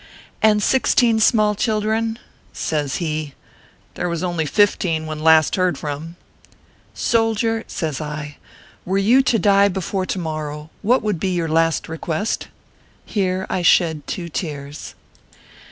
ORPHEUS C. KERR PAPERS. 75 " And sixteen small children ?" Says he :" There was only fifteen when last heard from." " Soldier/ says I, " were you to die before to mor row, what would be your last request ?" Here I shed two tears.